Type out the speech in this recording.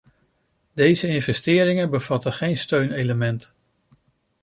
Deze investeringen bevatten geen steunelement.